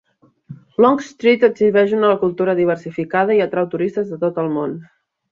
Long Street exhibeix una cultura diversificada i atrau turistes de tot el món.